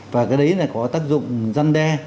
và cái đấy có tác dụng răn đe